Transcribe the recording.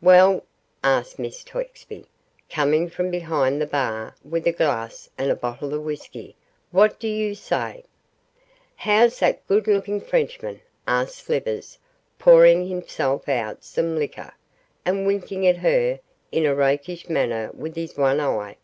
'Well?' asked Miss Twexby, coming from behind the bar with a glass and a bottle of whisky, 'what do you say?' 'How's that good looking Frenchman?' asked Slivers, pouring himself out some liquor, and winking at her in a rakish manner with his one eye.